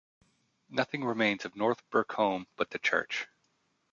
Nothing remains of North Burcombe but the church.